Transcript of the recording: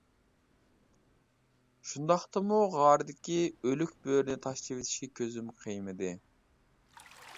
شۇنداقتىمۇ غاردىكى ئۆلۈك بۆرىنى تاشلىۋېتىشكە كۆزۈم قىيمىدى.